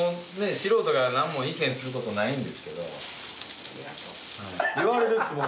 素人が何も意見することないんですけど言われるっすもん